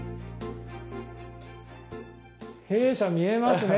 弊社、見えますね。